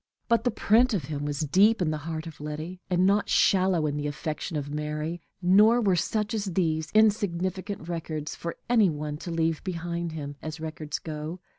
But the print of him was deep in the heart of Letty, and not shallow in the affection of Mary; nor were such as these, insignificant records for any one to leave behind him, as records go.